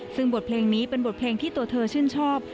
ซึ่งบทเพลงนี้เป็นบทเพลงที่ตัวเธอชื่นชอบ